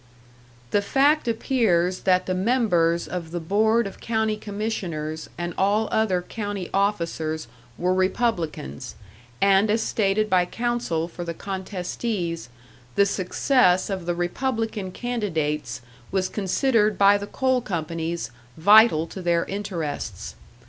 "The fact appears that the members of the board of county commissioners and all other county officers were Republicans, and as stated by counsel for the contestees, the success of the Republican candidates was considered by the coal companies, vital to their interests.